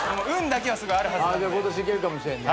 じゃあ今年いけるかもしれんね。